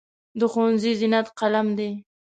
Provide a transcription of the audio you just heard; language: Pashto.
د ښوونځي زینت قلم دی.